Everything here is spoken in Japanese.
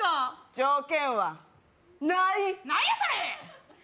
条件はない何やそれ！